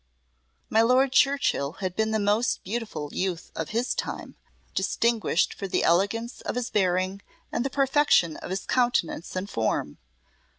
My Lord Churchill had been the most beautiful youth of his time, distinguished for the elegance of his bearing and the perfection of his countenance and form.